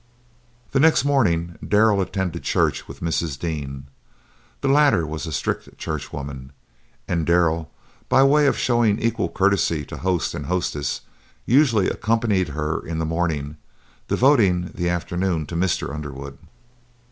The next morning Darrell attended church with Mrs. Dean. The latter was a strict church woman, and Darrell, by way of showing equal courtesy to host and hostess, usually accompanied her in the morning, devoting the afternoon to Mr. Underwood.